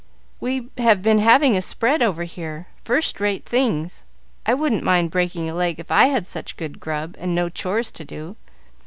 We have been having a spread over here. First rate things. I wouldn't mind breaking a leg, if I had such good grub and no chores to do.